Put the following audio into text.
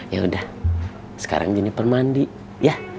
yaudah sekarang jeniper mandi ya